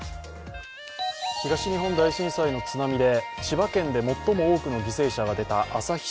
東日本大震災の津波で千葉県で最も多くの犠牲者が出た旭